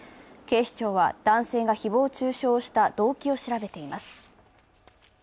警視庁は、男性が誹謗中傷をした動機を調べています。